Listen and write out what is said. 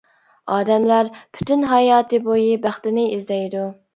ئادەملەر پۈتۈن ھاياتىي بويى بەختىنى ئىزدەيدۇ.